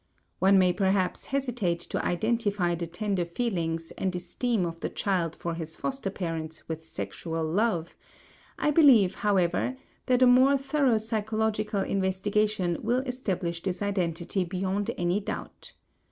One may perhaps hesitate to identify the tender feelings and esteem of the child for his foster parents with sexual love; I believe, however, that a more thorough psychological investigation will establish this identity beyond any doubt.